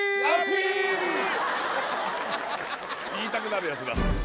言いたくなるやつだ